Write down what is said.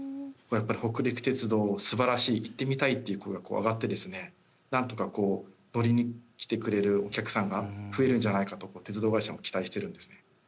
北陸鉄道すばらしい行ってみたいっていう声が上がってなんとか乗りに来てくれるお客さんが増えるんじゃないかと鉄道会社も期待してるんですね。